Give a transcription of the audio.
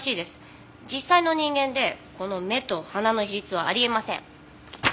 実際の人間でこの目と鼻の比率はあり得ません。